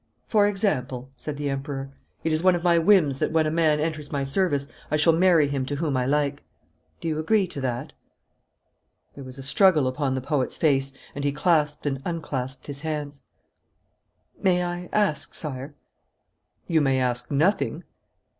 'For example,' said the Emperor. 'It is one of my whims that when a man enters my service I shall marry him to whom I like. Do you agree to that?' There was a struggle upon the poet's face, and he clasped and unclasped his hands. 'May I ask, sire ?' 'You may ask nothing.'